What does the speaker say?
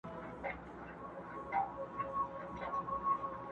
تاج دي کم سلطان دي کم اورنګ دي کم!